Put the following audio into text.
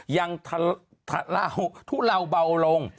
ยังทุเลาเบาลง